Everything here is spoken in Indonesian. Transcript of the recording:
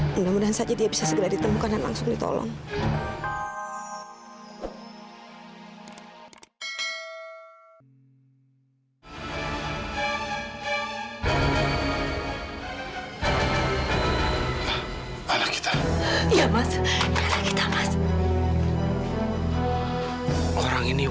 mudah mudahan saja dia bisa segera ditemukan dan langsung ditolong